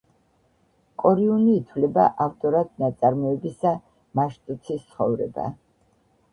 კორიუნი ითვლება ავტორად ნაწარმოებისა „მაშტოცის ცხოვრება“.